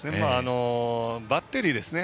バッテリーですね。